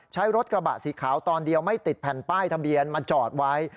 ใช้รถกระบะสีขาวตอนเดียวไม่ติดแผ่นป้ายทะเบียนมาจอดไว้